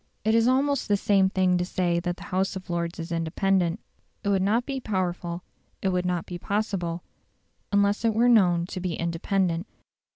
It is almost the same thing to say that the House of Lords is independent. It would not be powerful, it would not be possible, unless it were known to be independent.